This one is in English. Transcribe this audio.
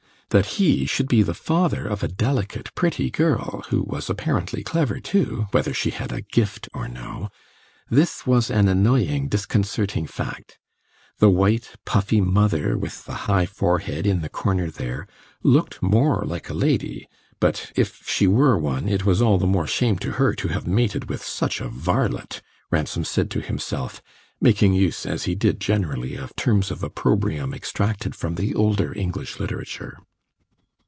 That he should be the father of a delicate, pretty girl, who was apparently clever too, whether she had a gift or no, this was an annoying, disconcerting fact. The white, puffy mother, with the high forehead, in the corner there, looked more like a lady; but if she were one, it was all the more shame to her to have mated with such a varlet, Ransom said to himself, making use, as he did generally, of terms of opprobrium extracted from the older English literature.